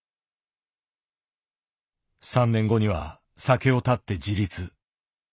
３年後には酒を断って自立。